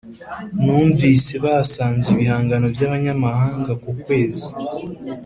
[numvise basanze ibihangano byabanyamahanga ku kwezi.